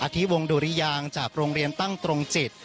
ที่วงดุริยางจากโรงเรียนตั้งตรงจิต